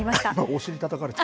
お尻たたかれた。